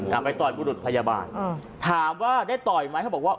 เอาไปต่อยบุรุษพยาบาลอ่าถามว่าได้ต่อยไหมเขาบอกว่า